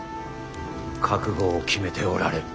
覚悟を決めておられる。